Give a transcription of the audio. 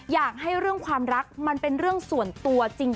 อยากให้เรื่องความรักมันเป็นเรื่องส่วนตัวจริง